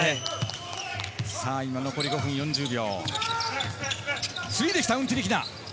今、残り５分４０秒。